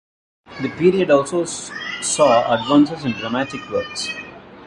The period also saw advances in dramatic works.